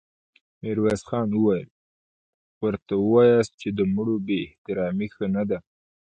ميرويس خان وويل: ورته وواياست چې د مړو بې احترامې ښه نه ده.